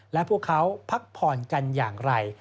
และพวกเขาพักผ่อนกันอย่างไร